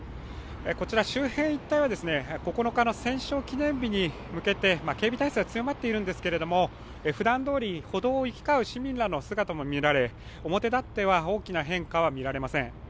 こちら周辺一帯は９日の戦勝記念日に向けて警備態勢は強まっているんですけれどもふだんどおり歩道を行き交う市民たちの姿も見られ表だっては大きな変化は見られません。